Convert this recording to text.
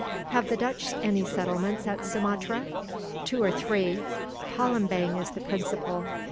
"Have the Dutch any settlements at Sumatra?" "Two or three. Palembang is the principal.